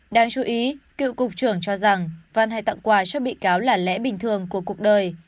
đáng chú ý cựu cục trưởng cho rằng văn hay tặng quà cho bị cáo là lẽ bình thường của cuộc đời